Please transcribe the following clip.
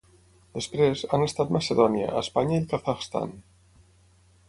Després, han estat Macedònia, Espanya i el Kazakhstan.